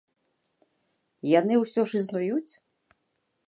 Яны ўсё ж існуюць!?